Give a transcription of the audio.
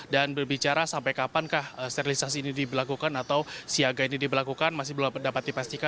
dan berbicara sampai kapan sterilisasi ini diberlakukan atau siaga ini diberlakukan masih belum dapat dipastikan